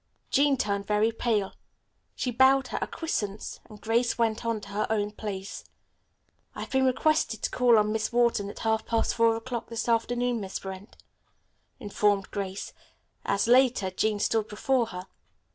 Jean turned very pale. She bowed her acquiescence, and Grace went on to her own place. "I have been requested to call on Miss Wharton at half past four o'clock this afternoon, Miss Brent," informed Grace as, later, Jean stood before her.